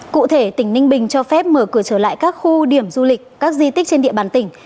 cụ thể tỉnh ninh bình cho phép mở cửa trở lại các khu điểm du lịch các di tích trên địa bàn tỉnh